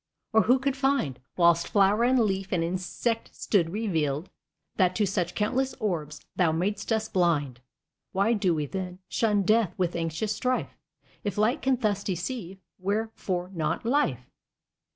or who could find, Whilst flow'r and leaf and insect stood revealed, That to such countless orbs thou mad'st us blind! Why do we, then, shun Death with anxious strife? If Light can thus deceive, wherefore not Life?